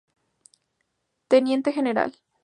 Teniente general.